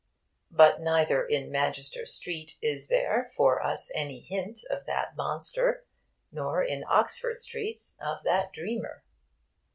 But neither in 'Manchester Street' is there for us any hint of that monster, nor in 'Oxford Street' of that dreamer.